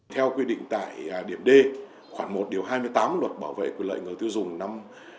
theo quy định tại điểm d khoảng một điều hai mươi tám luật bảo vệ quyền lợi người tiêu dùng năm hai nghìn một mươi bốn